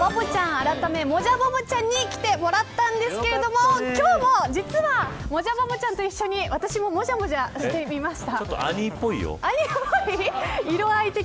改めもじゃバボちゃんに来てもらったんですけど今日も実はもじゃバボちゃんと一緒に私も、もじゃになってみました。